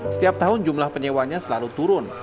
setiap tahun jumlah penyewanya selalu turun